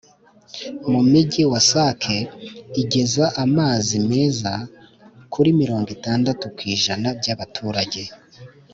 mu mijyi, wasac igeza amazi meza kuri mirongo itandatu ku ijana by'abaturage.